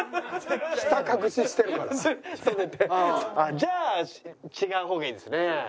じゃあ違う方がいいですね。